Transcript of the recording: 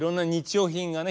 用品がね